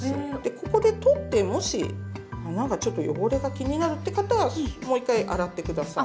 ここで取ってもし穴がちょっと汚れが気になるって方はもう１回洗って下さい。